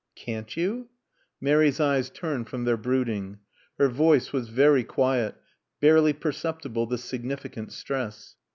"Can't you?" Mary's eyes turned from their brooding. Her voice was very quiet, barely perceptible the significant stress.